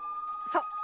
そう。